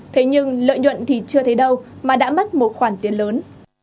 thế nhưng lợi nhuận thì chưa thấy đâu mà đã mất một khoản tiền lớn